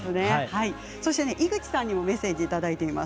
そして、井口さんにもメッセージいただいています。